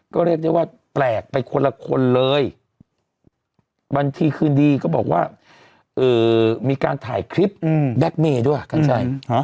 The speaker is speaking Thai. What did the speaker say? ก็เรียกได้ว่าแปลกไปคนละคนเลยบัญชีคืนดีก็บอกว่ามีการถ่ายคลิปแบ็คเมย์ด้วยกัญชัย